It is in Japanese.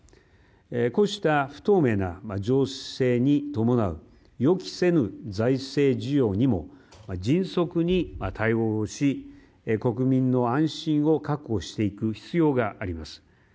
こうした不透明な情勢に伴う予期せぬ財政需要にも迅速に対応し、国民の安心を確保していく必要があります。